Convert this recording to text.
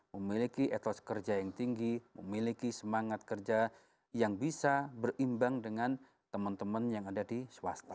memiliki etos kerja yang tinggi memiliki semangat kerja yang bisa berimbang dengan teman teman yang ada di swasta